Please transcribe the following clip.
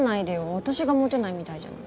私がモテないみたいじゃない。